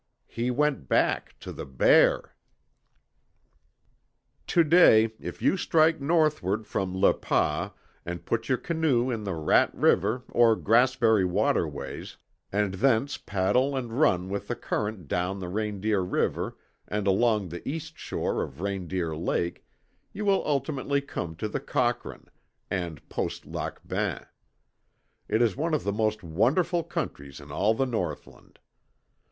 He went back to the bear." To day if you strike northward from Le Pas and put your canoe in the Rat River or Grassberry waterways, and thence paddle and run with the current down the Reindeer River and along the east shore of Reindeer Lake you will ultimately come to the Cochrane and Post Lac Bain. It is one of the most wonderful countries in all the northland.